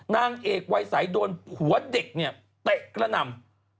นางเอกวัยสายโดนผัวเด็กเนี่ยเตะกระหน่ำ